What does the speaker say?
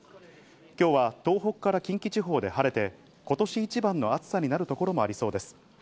今日は東北から近畿地方で晴れて、今年一番の暑さになるところもありそうです。